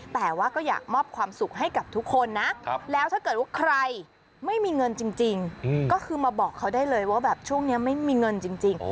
แต่ว่าก็อยากมอบความสุขให้กับทุกคนนะแล้วถ้าเกิดว่าใครไม่มีเงินจริงก็คือมาบอกเขาได้เลยว่าแบบช่วงนี้ไม่มีเงินจริง